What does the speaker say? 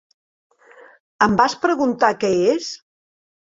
Em vas preguntar que es?